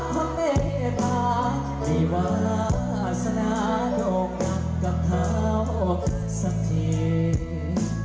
ไฟวาสนาโด่งดังกับเขาสักที